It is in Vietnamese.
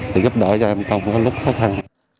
thì giúp đỡ cho em trong lúc khó khăn